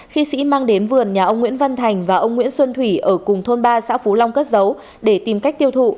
khi sĩ mang đến vườn nhà ông nguyễn văn thành và ông nguyễn xuân thủy ở cùng thôn ba xã phú long cất dấu để tìm cách tiêu thụ